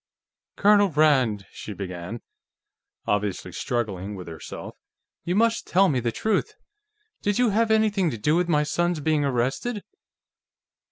"Colonel Rand," she began, obviously struggling with herself, "you must tell me the truth. Did you have anything to do with my son's being arrested?"